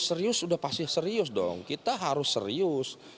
serius sudah pasti serius dong kita harus serius